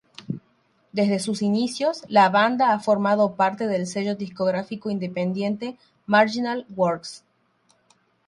Desde sus inicios, la banda ha formado parte del sello discográfico independiente "Marginal Works".